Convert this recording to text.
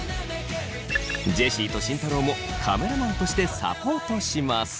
ジェシーと慎太郎もカメラマンとしてサポートします。